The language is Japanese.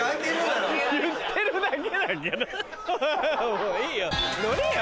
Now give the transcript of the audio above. もういいよ乗れよ！